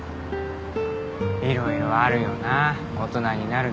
いろいろあるよな大人になると。